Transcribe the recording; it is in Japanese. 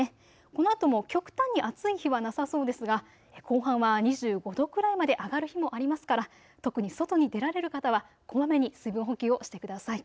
このあとも極端に暑い日はなさそうですが後半は２５度くらいまで上がる日もありますから特に外に出られる方はこまめに水分補給をしてください。